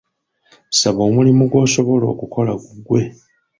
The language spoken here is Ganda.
Saba omulimu gw'osobola okukola guggwe.